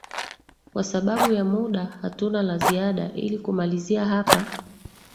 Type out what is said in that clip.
kwa sababu ya muda hatuna la ziada ili kumalizia hapa